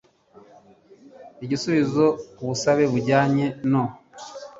igisubizo ku busabe bujyanye no